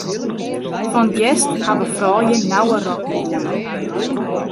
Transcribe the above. Fan 't hjerst hawwe froulju nauwe rokken oan.